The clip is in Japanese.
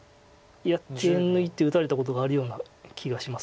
いや手抜いて打たれたことがあるような気がします